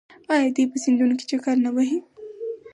آیا دوی په سیندونو کې چکر نه وهي؟